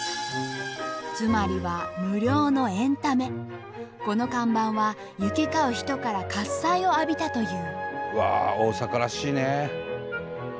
つまりはこの看板は行き交う人から喝采を浴びたという。